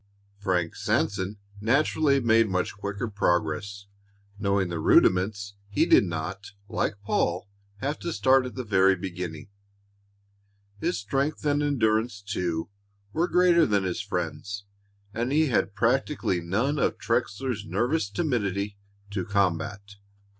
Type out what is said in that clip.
Frank Sanson naturally made much quicker progress. Knowing the rudiments, he did not, like Paul, have to start at the very beginning. His strength and endurance, too, were greater than his friend's, and he had practically none of Trexler's nervous timidity to combat.